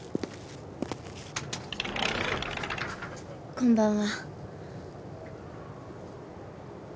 こんばんは。